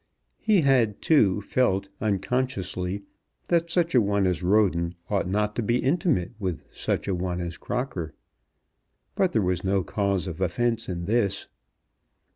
He had too felt, unconsciously, that such a one as Roden ought not to be intimate with such a one as Crocker. But there was no cause of offence in this.